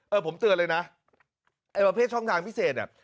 เออผมเตือนเลยนะไอวะเพชรช่องทางพิเศษอ่ะ